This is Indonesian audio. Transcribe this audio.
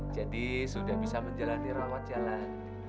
jadi sudah bisa menjalani rawat jalan